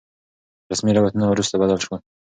رسمي روايتونه وروسته بدل شول.